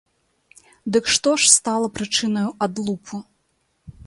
Дык што ж стала прычынаю адлупу?